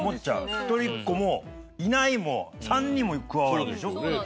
一人っ子もいないも３人も加わるわけでしょ？